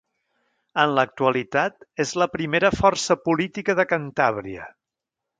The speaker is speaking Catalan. En l'actualitat és la primera força política de Cantàbria.